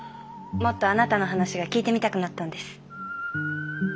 もっとあなたの話が聞いてみたくなったんです。